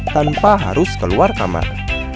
tanpa harus keluar kamar